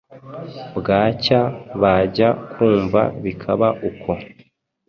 Bwacya bajya kumva bikaba uko